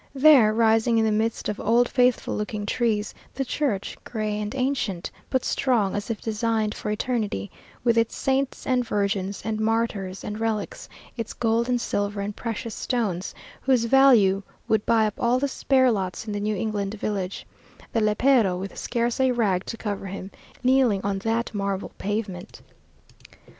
There, rising in the midst of old faithful looking trees, the church, gray and ancient, but strong as if designed for eternity; with its saints and virgins, and martyrs and relics, its gold and silver and precious stones, whose value would buy up all the spare lots in the New England village; the lépero with scarce a rag to cover him, kneeling on that marble pavement.